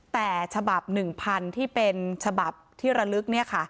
แต่ฉบับ๑๐๐๐ที่เป็นฉบับที่ระลึกเนี่ยค่ะ